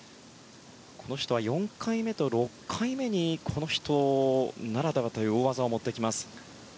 この人は４回目と６回目にこの人ならではという大技を持ってきます。